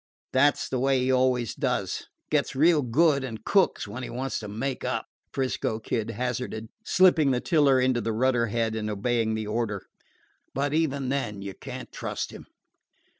"That 's the way he always does gets real good and cooks when he wants to make up," 'Frisco Kid hazarded, slipping the tiller into the rudder head and obeying the order. "But even then you can't trust him."